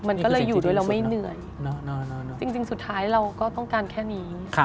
มันก็เลยอยู่ด้วยเราไม่เหนื่อยจริงสุดท้ายเราก็ต้องการแค่นี้